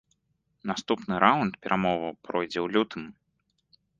Наступны раунд перамоваў пройдзе ў лютым.